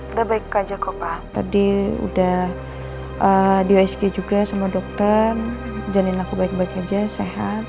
udah baik aja kok pak tadi udah di osg juga sama dokter jalanin aku baik baik aja sehat